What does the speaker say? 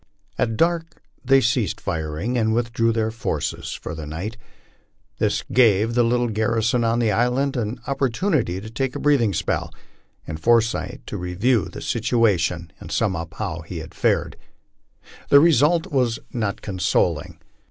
At dark they ceased firing, and withdrew their forces for the night. This gave the little garrison on the island an opportunity to take a breathing spell, and Forsyth to review the situ ation and sum up how he had fared. The result was not consoling.